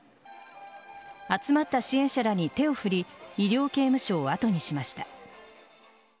集まった支援者らに手を振り医療刑務所を後にしました。